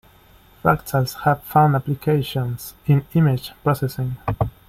Fractals have found applications in image processing.